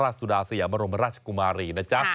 สุดาสยามรมราชกุมารีนะจ๊ะ